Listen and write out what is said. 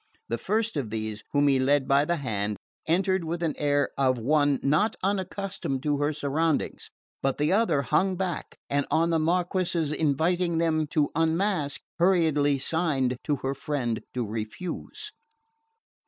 The first of these, whom he led by the hand, entered with the air of one not unaccustomed to her surroundings; but the other hung back, and on the Marquess's inviting them to unmask, hurriedly signed to her friend to refuse.